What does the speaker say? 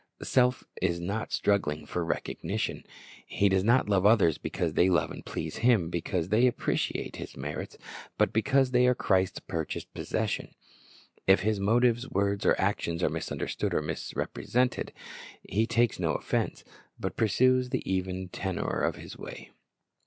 Self is not struggling for recognition. He does not love others because they love and please him, because they appreciate his merits, but because they are Christ's purchased possession. If his motives, words, or actions are misunderstood or misrepresented, he takes no offense, but pursues the even tenor of his way.